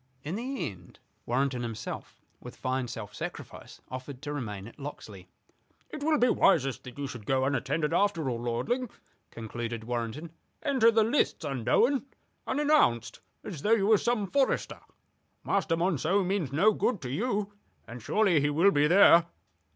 In the end Warrenton himself, with fine self sacrifice, offered to remain at Locksley. "It will be wisest that you should go unattended, after all, lording," concluded Warrenton. "Enter the lists unknown, unannounced, as though you were some forester. Master Monceux means no good to you, and surely he will be there.